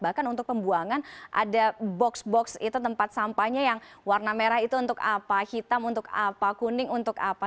bahkan untuk pembuangan ada box box itu tempat sampahnya yang warna merah itu untuk apa hitam untuk apa kuning untuk apa